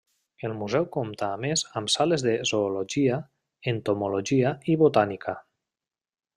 El museu compta a més amb sales de Zoologia, Entomologia, i Botànica.